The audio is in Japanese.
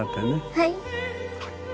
はい。